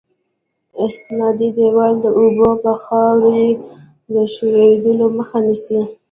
استنادي دیوال د اوبو یا خاورې د ښوېدلو مخه نیسي